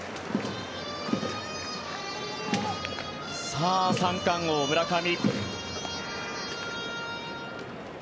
さあ、三冠王、村上。